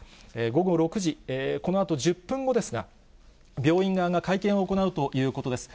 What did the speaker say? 午後６時、このあと１０分後ですが、病院側が会見を行うということです。